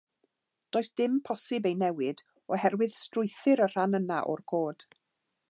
Does dim posib ei newid, oherwydd strwythur y rhan yna o'r cod.